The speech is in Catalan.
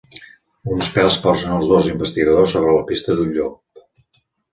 Uns pèls posen els dos investigadors sobre la pista d'un llop.